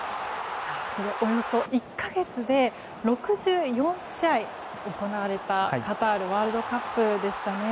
およそ１か月で６４試合行われたカタールワールドカップでした。